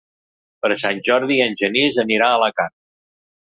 Per Sant Jordi en Genís anirà a Alacant.